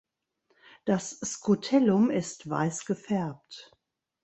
Das Scutellum ist weiß gefärbt.